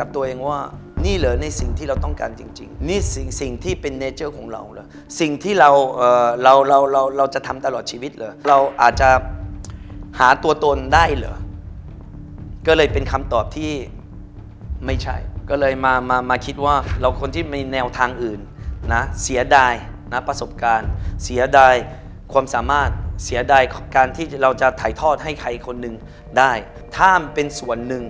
กับตัวเองว่านี่เหรอในสิ่งที่เราต้องการจริงจริงนี่สิ่งสิ่งที่เป็นเนเจอร์ของเราเหรอสิ่งที่เราเราเราเราจะทำตลอดชีวิตเหรอเราอาจจะหาตัวตนได้เหรอก็เลยเป็นคำตอบที่ไม่ใช่ก็เลยมามาคิดว่าเราคนที่มีแนวทางอื่นนะเสียดายนะประสบการณ์เสียดายความสามารถเสียดายการที่เราจะถ่ายทอดให้ใครคนหนึ่งได้ถ้ามันเป็นส่วนหนึ่ง